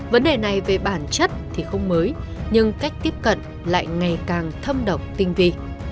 vấn đề này về bản chất thì không mới nhưng cách tiếp cận lại ngày càng thâm độc tinh vi